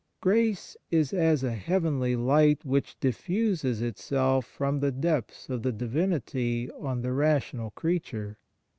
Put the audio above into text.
Grace is as a heavenly light which diffuses itself from the depths of the Divinity on the rational creature.